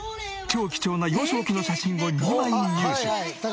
超貴重な幼少期の写真を２枚入手。